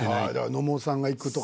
野茂さんが行くとか。